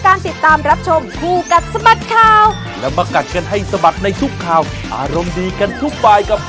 ได้นะโอกาสนี้เชิดครับ